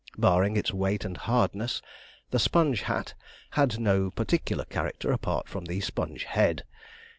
Barring its weight and hardness, the Sponge hat had no particular character apart from the Sponge head.